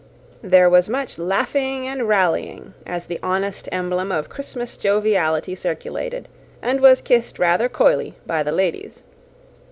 "* * See Note H. There was much laughing and rallying, as the honest emblem of Christmas joviality circulated, and was kissed rather coyly by the ladies.